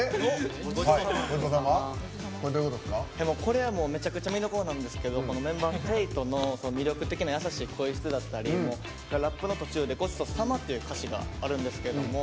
これは、もうめちゃくちゃポイントなんですけどメンバー、ＳＥＩＴＯの魅力的な優しい声質だったりラップの途中で「ごちそうさま」って歌詞があるんですけど